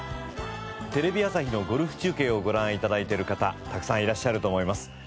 テレビ朝日のゴルフ中継をご覧頂いている方たくさんいらっしゃると思います。